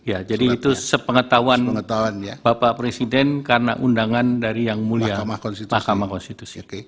ya jadi itu sepengetahuan bapak presiden karena undangan dari yang mulia mahkamah konstitusi